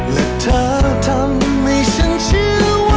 และเธอทำให้ฉันเชื่อว่า